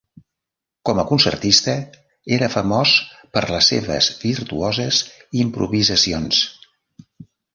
Com a concertista, era famós per les seves virtuoses improvisacions.